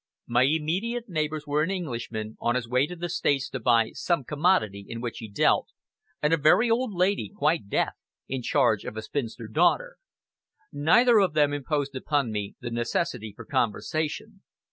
My immediate neighbors were an Englishman, on his way to the States to buy some commodity in which he dealt, and a very old lady, quite deaf, in charge of a spinster daughter. Neither of them imposed upon me the necessity for conversation.